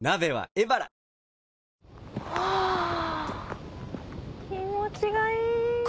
はぁ気持ちがいい！